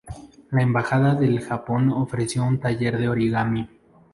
La embajada del Japón ofreció un taller de origami.